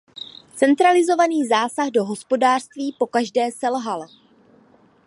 Centralizovaný zásah do hospodářství pokaždé selhal.